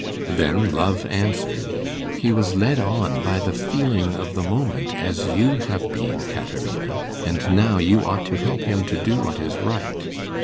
Then love answered, 'He was led on by the feeling of the moment, as you have been, Caterina; and now you ought to help him to do what is right.